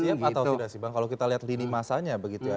bagaimana sih bang kalau kita lihat lini masanya begitu ya